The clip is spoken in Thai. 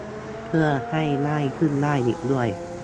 เพื่อให้ง่ายขึ้นได้อีกด้วย